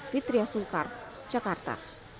ritria sulkar jakarta